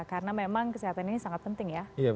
karena memang kesehatan ini sangat penting ya